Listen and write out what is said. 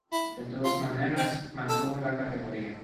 De todas maneras, mantuvo la categoría.